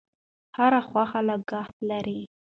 هر خوښي لګښت لري.